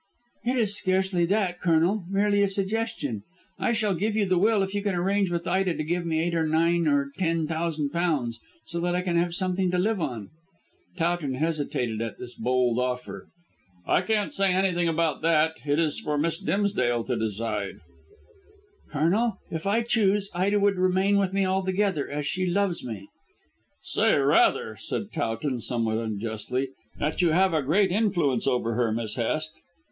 "It is scarcely that, Colonel; merely a suggestion. I shall give you the will if you can arrange with Ida to give me eight or nine or ten thousand pounds, so that I can have something to live on." Towton hesitated at this bold offer. "I can't say anything about that; it is for Miss Dimsdale to decide." "Colonel, if I chose, Ida would remain with me altogether, as she loves me." "Say rather," said Towton, somewhat unjustly, "that you have a great influence over her, Miss Hest."